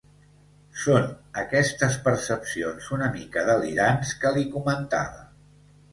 Són aquestes percepcions una mica delirants que li comentava.